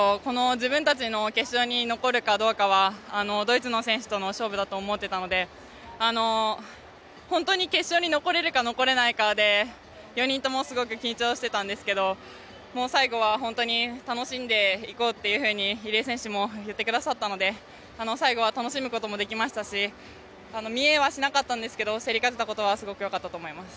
自分たちが決勝に残るかどうかはドイツの選手との勝負だと思っていたので本当に決勝に残れるか、残れないかで４人ともすごく緊張してたんですけど最後は、本当に楽しんでいこうというふうに入江選手も言ってくださったので最後は楽しむこともできましたし見えはしなかったんですが競り勝てたことはすごく良かったと思います。